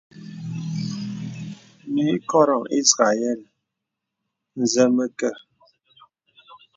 Mì kɔrə̄ ìzrəɛl zə məkə.